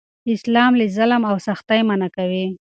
اسلام له ظلم او سختۍ منع کوي.